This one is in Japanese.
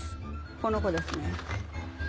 この子ですね。